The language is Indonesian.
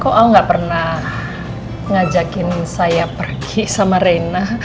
kok al gak pernah ngajakin saya pergi sama rena